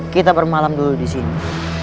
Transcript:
kita bermalam dulu disini